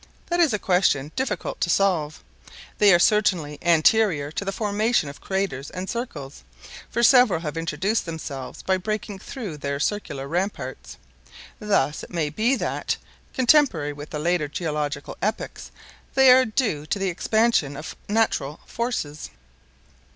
That is a question difficult to solve. They are certainly anterior to the formation of craters and circles, for several have introduced themselves by breaking through their circular ramparts. Thus it may be that, contemporary with the later geological epochs, they are due to the expansion of natural forces.